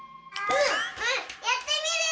おっやってみる。